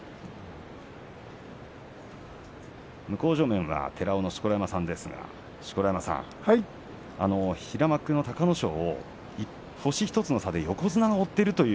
向正面は寺尾の錣山さんですが錣山さん、平幕の隆の勝星１つの差で横綱が追っている。